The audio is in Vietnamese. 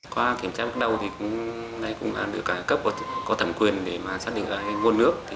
qua kiểm tra bước đầu cũng được cấp có thẩm quyền để xác định nguồn nước